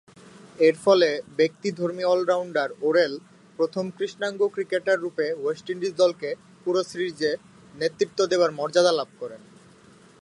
এরফলে ব্যতিক্রমধর্মী all-rounder Worrell প্রথম কৃষ্ণাঙ্গ ক্রিকেটাররূপে ওয়েস্ট ইন্ডিজ দলকে পুরো সিরিজে নেতৃত্ব দেবার মর্যাদা লাভ করেন।